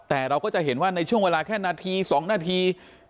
แต่เราก็จะเห็นว่าในช่วงเวลาแค่นาที๒นาที